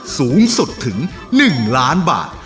สูงสุดถึง๑ลำดับ